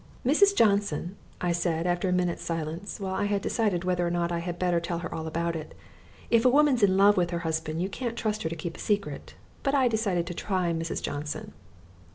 "Mrs. Johnson," I said after a minute's silence, while I had decided whether or not I had better tell her all about it. If a woman's in love with her husband you can't trust her to keep a secret, but I decided to try Mrs. Johnson.